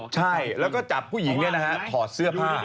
ใช่แล้วก็จับผู้หญิงถอดเสื้อผ้า